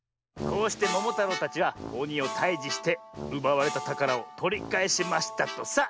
「こうしてももたろうたちはおにをたいじしてうばわれたたからをとりかえしましたとさ。